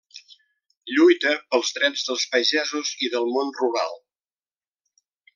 Lluita pels drets dels pagesos i del món rural.